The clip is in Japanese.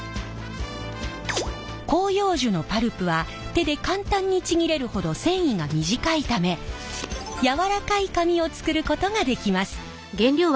広葉樹のパルプは手で簡単にちぎれるほど繊維が短いため柔らかい紙を作ることができます。